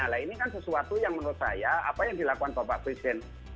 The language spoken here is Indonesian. nah ini kan sesuatu yang menurut saya apa yang dilakukan bapak presiden